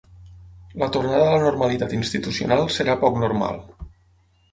La tornada a la normalitat institucional serà poc normal.